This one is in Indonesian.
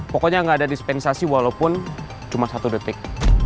pokoknya nggak ada dispensasi walaupun cuma satu detik